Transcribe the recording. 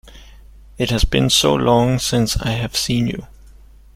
It has been so long since I have seen you!